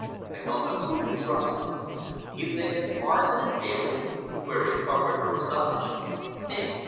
I don't know whom to trust." "You think it's Morrison & Daly?" queried Carpenter astonished. "Think?